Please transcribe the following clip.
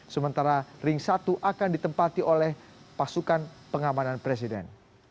sementara ring satu akan ditempati oleh pasukan pengamanan presiden